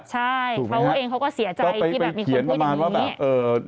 ใช่เขาเองเขาก็เสียใจที่แบบมีคนพูดอย่างนี้